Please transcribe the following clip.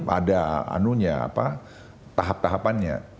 ada anunya apa tahap tahapannya